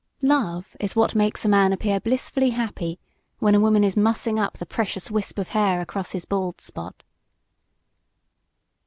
Love is what makes a man appear blissfully happy, when a woman is mussing up the precious wisp of hair across his bald spot.